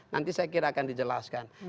nanti saya kira akan dijelaskan